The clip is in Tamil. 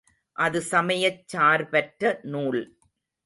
அது சமயச் சார்பற்ற நூல்.